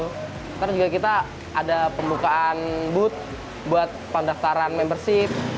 nanti juga kita ada pembukaan booth buat pendaftaran membership